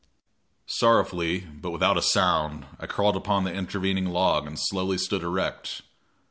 Sorrowfully, but without a sound, I crawled upon the intervening log and slowly stood erect.